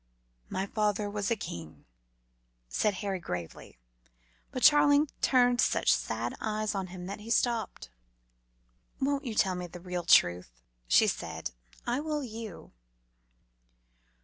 "My father was a king," said Harry gravely; but Charling turned such sad eyes on him that he stopped. "Won't you tell me the real true truth?" she said. "I will you."